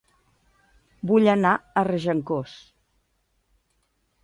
Vull anar a Regencós